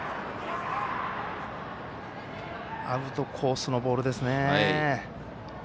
アウトコースのボールですね。